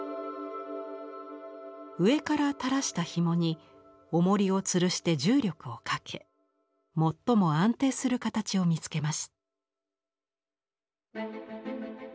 上からたらしたひもにおもりをつるして重力をかけもっとも安定する形を見つけます。